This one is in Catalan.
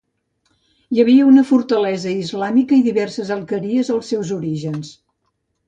Hi havia una fortalesa islàmica i diverses alqueries als seus orígens.